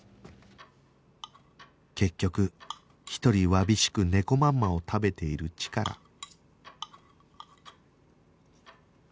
結局独りわびしくねこまんまを食べているチカラ